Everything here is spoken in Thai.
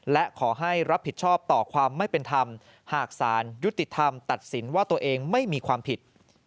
และขอให้รับผิดชอบต่อความไม่เป็นธรรมหากสารยุติธรรมตัดสินว่าตัวเองไม่มีความผิด